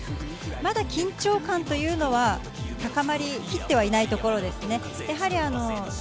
まだ緊張感というのは高まり切ってはいないところですね。